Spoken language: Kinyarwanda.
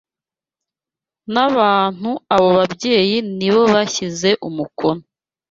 n’abantu Abo babyeyi ni bo bashyize umukono